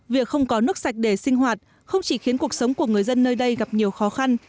việc không có nước sạch để sinh hoạt không chỉ khiến cuộc sống của người dân nơi đây gặp nhiều khó khăn